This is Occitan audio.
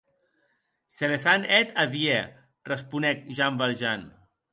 Se les an hèt a vier, responec Jean Valjean.